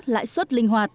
lãi suất linh hoạt